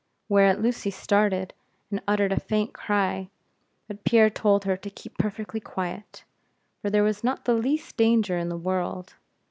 Whereat Lucy started, and uttered a faint cry, but Pierre told her to keep perfectly quiet, for there was not the least danger in the world.